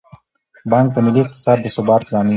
بانک د ملي اقتصاد د ثبات ضامن دی.